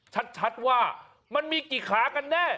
ชัดว่ามันมีกี่ขากันแน่